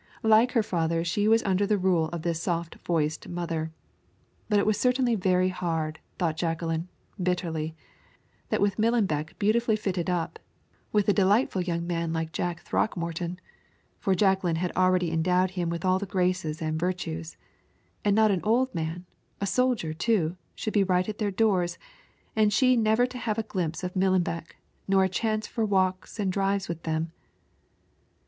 Like her father, she was under the rule of this soft voiced mother. But it was certainly very hard, thought Jacqueline, bitterly, that with Millenbeck beautifully fitted up, with a delightful young man like Jack Throckmorton for Jacqueline had already endowed him with all the graces and virtues and a not old man, a soldier too, should be right at their doors, and she never to have a glimpse of Millenbeck, nor a chance for walks and drives with them.